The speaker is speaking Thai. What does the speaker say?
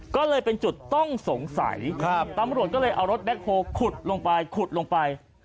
ก็เลยเป็นจุดต้องสงสัยตำรวจก็เลยเอารถแบ็คโฮลขุดลงไปขุดลงไป